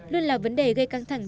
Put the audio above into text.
luôn là vấn đề gây căng thẳng